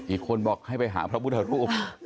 อีกคนบอกให้ไปหาพระพุทธรูป